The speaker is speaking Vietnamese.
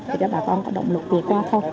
để cho bà con có động lực vượt qua thôi